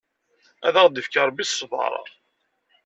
Ad aɣ-d-yefk Ṛebbi ṣṣber!